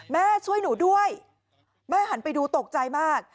แม่ช่วยหนูด้วยแม่หันไปดูตกใจมาก